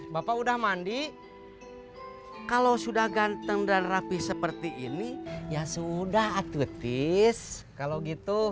bapak udah mandi kalau sudah ganteng dan rapi seperti ini ya sudah atweetes kalau gitu